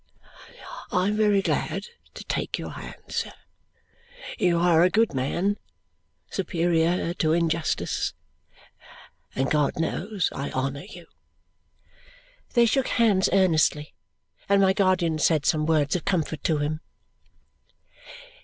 I am very glad to take your hand, sir. You are a good man, superior to injustice, and God knows I honour you." They shook hands earnestly, and my guardian said some words of comfort to him.